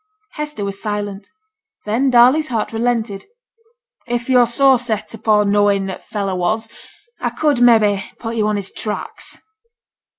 Hester was silent. Then Darley's heart relented. 'If yo're so set upo' knowing who t' fellow was, a could, mebbe, put yo' on his tracks.'